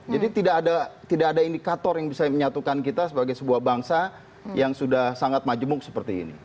jadi tidak ada indikator yang bisa menyatukan kita sebagai sebuah bangsa yang sudah sangat majemuk seperti ini